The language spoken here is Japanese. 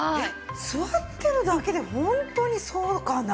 座ってるだけでホントにそうかな。